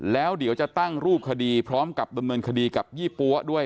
แล้วเดี๋ยวจะตั้งรูปคดีพร้อมกับดำเนินคดีกับยี่ปั๊วด้วย